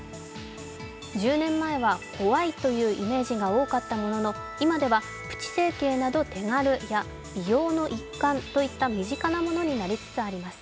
１０年前は怖いというイメージが多かったものの、今ではプチ整形など手軽や美容の一環といった身近なものになりつつあります。